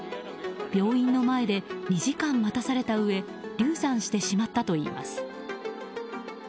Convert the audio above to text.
病院の前で２時間待たされたうえ流産してしまったといいます。